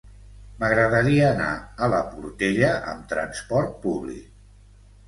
M'agradaria anar a la Portella amb trasport públic.